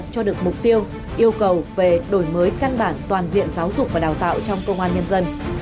cho được mục tiêu yêu cầu về đổi mới căn bản toàn diện giáo dục và đào tạo trong công an nhân dân